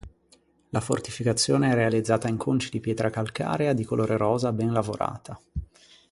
La fortificazione è realizzata in conci di pietra calcarea di colore rosa ben lavorata.